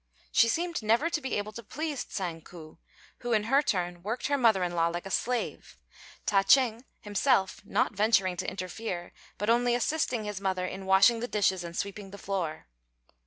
She seemed never to be able to please Tsang ku, who in her turn worked her mother in law like a slave, Ta ch'êng himself not venturing to interfere, but only assisting his mother in washing the dishes and sweeping the floor.